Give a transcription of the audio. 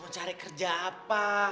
mau cari kerja apa